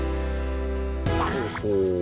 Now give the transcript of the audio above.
และศูนย์การเรียนรู้เกี่ยวกับเรื่องธุเรียนด้วยนะคะ